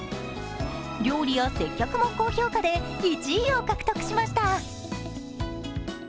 料理や接客も高評価で１位を獲得しました。